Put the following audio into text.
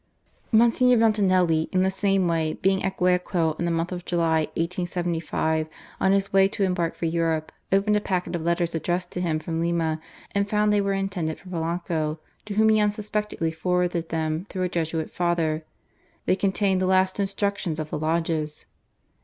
Mgr. Vanutelli, in the same way, being at Guayaquil in the month of July, 1875, on his way to embark for Europe, opened a packet of letters addressed to him from Lima, and found they were ' intended for Polanco, to whom he unsuspectingly forwarded them through a Jesuit Father — they con tained the last instructions of the lodges